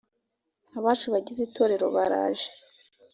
abacu bagize itorero baraje